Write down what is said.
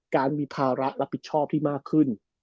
การมีภาระรับผิดชอบที่มากขึ้น